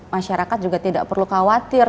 masyarakat juga tidak perlu khawatir